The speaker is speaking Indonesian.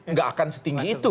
nggak akan setinggi itu